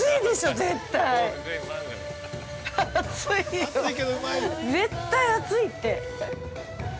絶対熱いって。